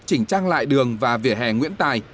chỉnh trang lại đường và vỉa hè nguyễn tài